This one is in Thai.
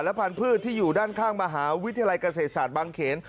พันธุ์ที่อยู่ด้านข้างมหาวิทยาลัยเกษตรศาสตร์บางเขน